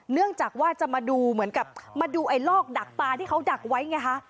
เนื่องจากว่าจะมาดูเหมือนกับมาดูไอ้ลอกดักปลาที่เขาดักไว้ไงคะ